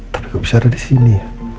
tapi gak bisa ada di sini